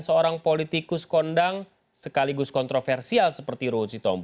secara kasat mata tugas tim pemenangan dibalik pasangan calon gubernur petang